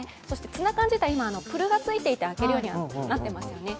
ツナ缶自体、今、プルがついてて開けるようになっていますね。